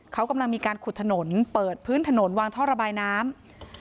เขากำลังมีการขุดถนนเปิดพื้นถนนวางท่อระบายน้ำ